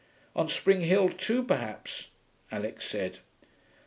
'On Spring Hill too, perhaps,' Alix said.